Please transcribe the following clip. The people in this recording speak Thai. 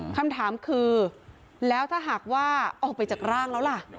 คำถามคือแล้วถ้าหากว่าออกไปจากร่างแล้วล่ะ